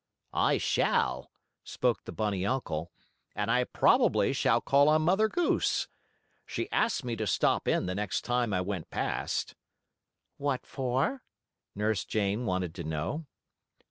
"I shall," spoke the bunny uncle. "And I probably shall call on Mother Goose. She asked me to stop in the next time I went past." "What for?" Nurse Jane wanted to know.